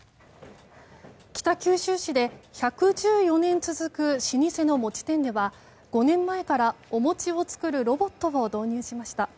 北九州市で１１４年続く老舗の餅店では５年前からお餅を作るロボットを導入しました。